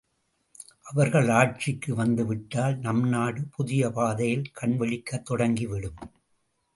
அவர்கள் ஆட்சிக்கு வந்துவிட்டால், நம்நாடு புதிய பாதையில் கண் விழிக்கத் தொடங்கி விடும்!....